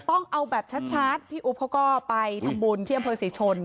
ต้องเอาแบบชัดพี่อุ๊บเขาก็ไปทำบุญที่อำเภอศรีชน